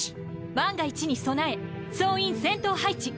万が一に備え総員戦闘配置。